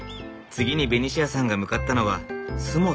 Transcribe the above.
次にベニシアさんが向かったのは洲本。